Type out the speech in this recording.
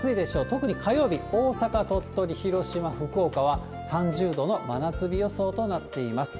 特に火曜日、大阪、鳥取、広島、福岡は３０度の真夏日予想となっています。